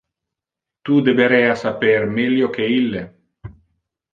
Tu deberea saper melio que ille.